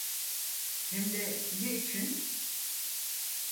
Hem de ne için?